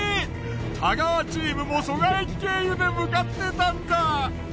太川チームも蘇我駅経由で向かってたんだ！